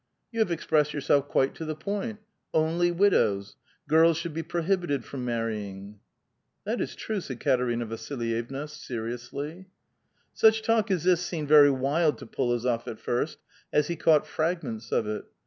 " You have expressed yourself quite to the point. Only widows ; girls should l>e prohibited from marrying." " That is true," said Eaterina Vasilycvna, seriously. Such talk as this seemed very wild to P6lozof at fii st, as he caught fragments of it.